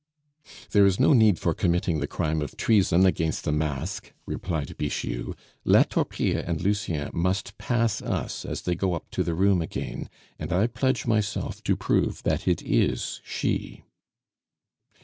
"There is no need for committing the crime of treason against a mask," replied Bixiou. "La Torpille and Lucien must pass us as they go up the room again, and I pledge myself to prove that it is she."